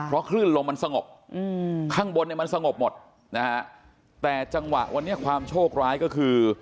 เพราะคลื่นลมมันสงบข้างบนเนี่ยมันสงบหมดนะฮะแต่จังหวะวันนี้ความโชคร้ายก็คือ